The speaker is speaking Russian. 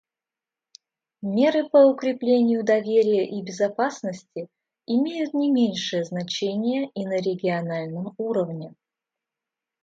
Меры по укреплению доверия и безопасности имеют не меньшее значение и на региональном уровне.